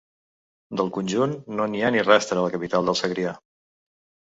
Del conjunt, no n’hi ha ni rastre a la capital del Segrià.